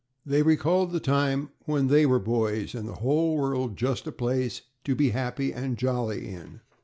They recalled the time when they were boys, and the whole world just a place to be happy and jolly in.